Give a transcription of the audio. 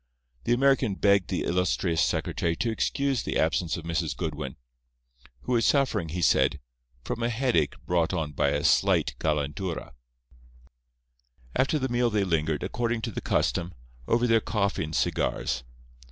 The American begged the illustrious secretary to excuse the absence of Mrs. Goodwin, who was suffering, he said, from a headache brought on by a slight calentura. After the meal they lingered, according to the custom, over their coffee and cigars.